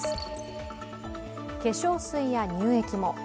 化粧水や乳液も。